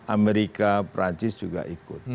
amerika perancis juga ikut